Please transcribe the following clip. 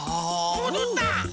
もどった！